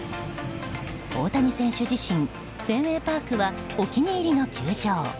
大谷選手自身フェンウェイパークはお気に入りの球場。